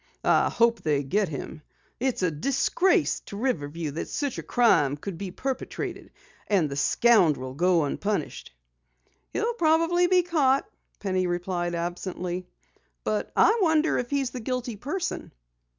"I hope they get him! It's a disgrace to Riverview that such a crime could be perpetrated, and the scoundrel go unpunished." "He'll probably be caught," Penny replied absently. "But I wonder if he's the guilty person."